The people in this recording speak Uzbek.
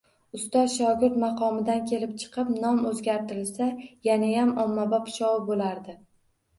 Ustoz-shogird maqomidan kelib chiqib, nomi oʻzgartirilsa, yanayam ommabop shou boʻlardi.